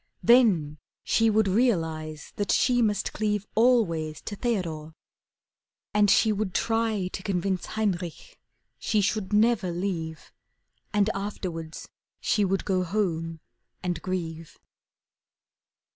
Then she would realize that she must cleave Always to Theodore. And she would try To convince Heinrich she should never leave, And afterwards she would go home and grieve.